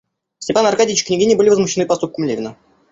Степан Аркадьич и княгиня были возмущены поступком Левина.